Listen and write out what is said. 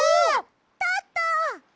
たった！